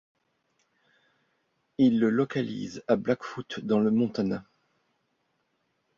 Ils le localisent à Blackfoot dans le Montana.